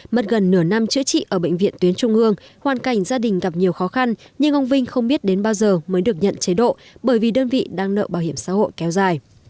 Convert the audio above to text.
mất gần nửa năm chữa trị ở bệnh viện tuyến trung ương hoàn cảnh gia đình gặp nhiều khó khăn nhưng ông vinh không biết đến bao giờ mới được nhận chế độ bởi vì đơn vị đang nợ bảo hiểm xã hội kéo dài